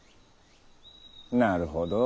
なるほど。